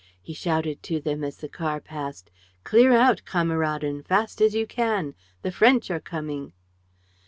He shouted to them, as the car passed: "Clear out, Kameraden! Fast as you can! The French are coming!"